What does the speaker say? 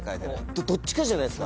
どっちかじゃないですか。